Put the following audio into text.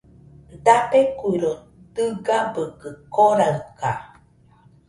Dabeikuiro dɨgabɨkɨ koraɨka